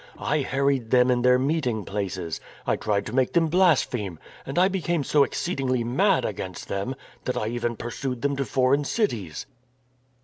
I harried them in their meeting places. I tried to make them blaspheme. And I became so exceedingly mad against them that I even pursued them to foreign cities."